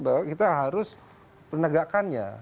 bahwa kita harus penegakkannya